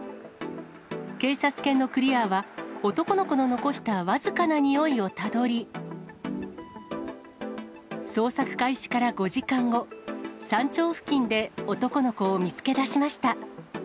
警察犬のクリアは、男の子の残した僅かなにおいをたどり、捜索開始から５時間後、山頂付近で男の子を見つけ出しました。